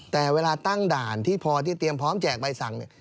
แต่เวลาตั้งด่านที่พอที่เตรียมพร้อมแจกใบสั่งเนี่ย